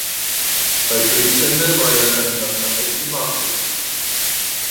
Bei Kriegsende war er in einem Lazarett in Magdeburg.